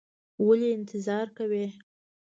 ولې انتظار کوې؟